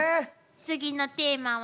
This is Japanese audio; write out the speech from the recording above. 次のテーマは。